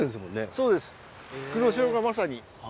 そうです黒潮がまさに。